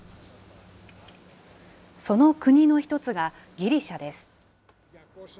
その国の一つがギリシャです。